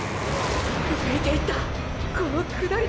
抜いていったこの下りで！！